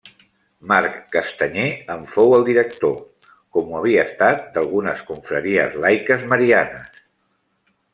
Marc Castanyer en fou el director, com ho havia estat d'algunes confraries laiques marianes.